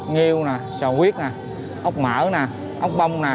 nghiêu sò huyết ốc mỡ ốc bông